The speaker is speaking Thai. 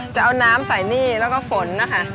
จะเอาน้ำใส่หนี้แล้วก็ฝนนะคะ